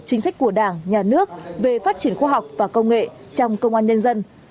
chính sách của đảng nhà nước về phát triển khoa học và công nghệ trong công an nhân dân